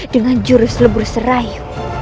dengan jurus lebur serayu